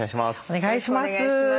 お願いします。